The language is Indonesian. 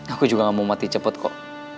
aku juga gak mau mati cepet kok